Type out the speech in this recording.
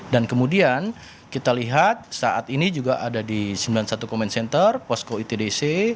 dan kemudian kita lihat saat ini juga ada di sembilan puluh satu command center posko itdc